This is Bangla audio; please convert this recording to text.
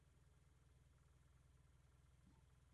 এখানে একটা বাচ্চা ছেলে দাঁড়িয়ে আছে।